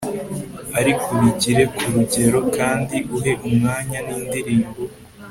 ariko ubigire ku rugero, kandi uhe umwanya n'indirimbo